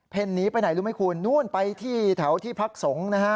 หนีไปไหนรู้ไหมคุณนู่นไปที่แถวที่พักสงฆ์นะฮะ